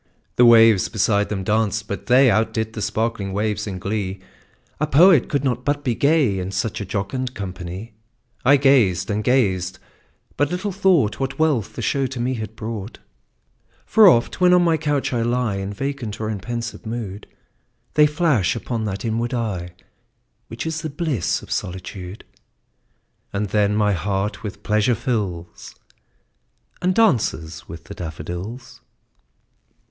The waves beside them danced; but they Outdid the sparkling waves in glee; A poet could not but be gay, In such a jocund company; I gazed and gazed but little thought What wealth to me the show had brought: For oft, when on my couch I lie In vacant or in pensive mood, They flash upon that inward eye Which is the bliss of solitude; And then my heart with pleasure fills, And dances with the daffodils.